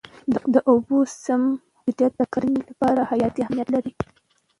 د اوبو سم مدیریت د کرنې لپاره حیاتي اهمیت لري.